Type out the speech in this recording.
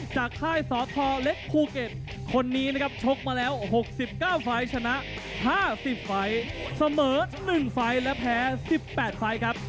ค่ายสทเล็กภูเก็ตคนนี้นะครับชกมาแล้ว๖๙ไฟล์ชนะ๕๐ไฟล์เสมอ๑ไฟล์และแพ้๑๘ไฟล์ครับ